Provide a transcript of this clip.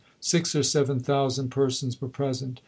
Six or seven thousand persons were present.